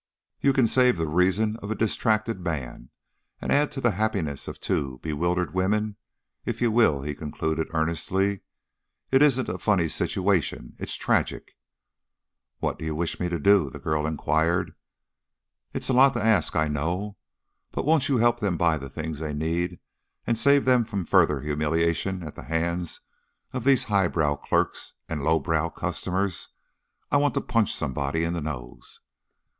"You can save the reason of a distracted man and add to the happiness of two poor, bewildered women, if you will," he concluded, earnestly. "It isn't a funny situation; it's tragic." "What do you wish me to do?" the girl inquired. "It's a lot to ask, I know, but won't you help them buy the things they need and save them from further humiliation at the hands of these highbrow clerks and lowbrow customers? I I want to punch somebody in the nose."